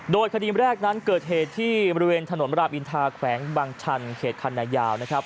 โดยคดีแรกนั้นเกิดเหตุที่บริเวณถนนรามอินทาแขวงบางชันเขตคันนายาวนะครับ